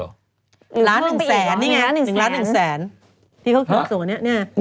๑ล้าน๑แสน